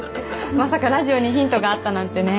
まさかラジオにヒントがあったなんてね